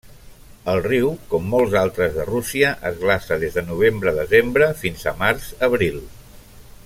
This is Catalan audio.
El riu, com molts altres de Rússia, es glaça des de novembre-desembre fins a març-abril.